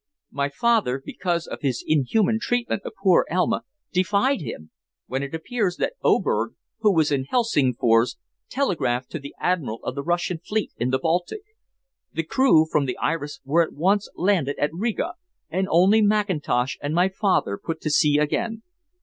My father, because of his inhuman treatment of poor Elma, defied him, when it appears that Oberg, who was in Helsingfors, telegraphed to the admiral of the Russian fleet in the Baltic. The crew from the Iris were at once landed at Riga, and only Mackintosh and my father put to sea again.